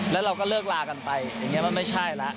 แล้วเราก็เลิกลากันไปอย่างนี้มันไม่ใช่แล้ว